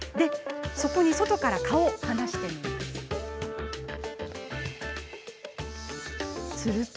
そこに外から蚊を放してみると。